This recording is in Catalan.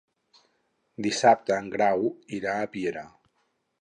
Dissabte en Grau irà a Piera.